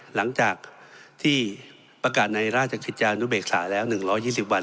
หลังจากที่ประกาศในราชกิจจานุเบกษาแล้วหนึ่งร้อยยี่สิบวัน